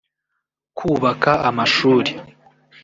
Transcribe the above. kubaka amashuri